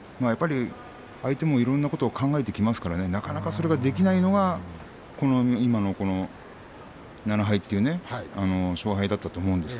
相手もいろいろなことを考えてきますがなかなかそれができないのは今の７敗という勝敗だったと思うんです。